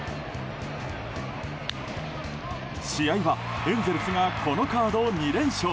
試合はエンゼルスがこのカード２連勝。